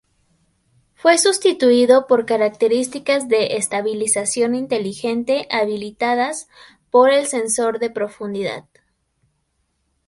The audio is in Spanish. Fue sustituido por características de "estabilización inteligente" habilitadas por el sensor de profundidad.